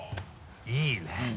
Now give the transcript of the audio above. いいね。